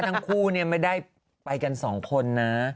ทั้งคู่ไม่ได้ไปกันสองคนนะ